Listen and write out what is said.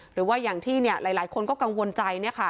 หรือว่าอย่างที่หลายคนก็กังวลใจ